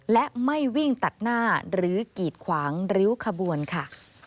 และไม่วิ่งตัดหน้าหรือกีดขวางริ้วขบวนค่ะ